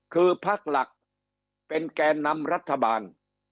คือพักหลักเป็นแก่นำรัฐบาล